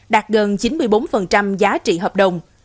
đạt gần chín mươi bốn giá trị hợp đồng